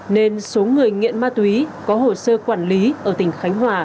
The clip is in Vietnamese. nên số người nghiện ma túy có hồ sơ quản lý ở tỉnh khánh hòa